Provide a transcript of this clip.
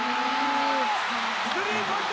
スリーポイント